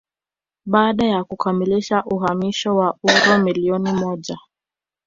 baada ya kukamilisha uhamisho wa uro milioni moja